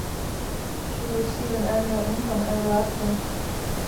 She will receive an annual income ever after.